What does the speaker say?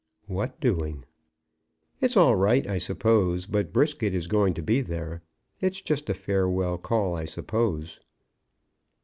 "What doing?" "It's all right, I suppose; but Brisket is going to be there. It's just a farewell call, I suppose."